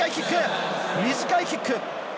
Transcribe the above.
短いキック。